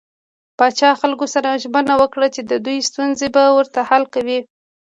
پاچا خلکو سره ژمنه وکړه چې د دوي ستونزې به ورته حل کوي .